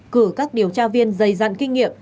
cử các điều tra viên dày dặn kinh nghiệm